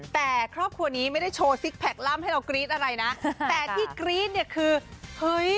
แต่ครอบครัวนี้ไม่ได้โชว์ซิกแพคล่ำให้เรากรี๊ดอะไรนะแต่ที่กรี๊ดเนี่ยคือเฮ้ย